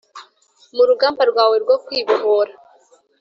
mu rugamba rwawe rwo kwibohora